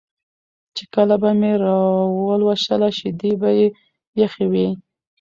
چې کله به مې راولوشله شیدې به یې یخې وې